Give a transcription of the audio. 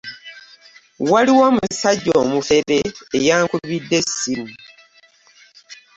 Waliwo omusajja omufere eyankubide essimu.